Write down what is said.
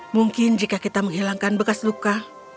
mungkin jika kita menghilangkan bekas luka